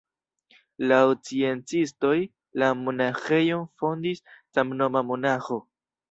Laŭ sciencistoj, la monaĥejon fondis samnoma monaĥo.